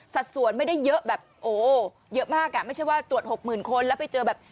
สัดส่วนไม่ได้เยอะแบบโอ้เยอะมากอ่ะไม่ใช่ว่าตรวจหกหมื่นคนแล้วไปเจอแบบ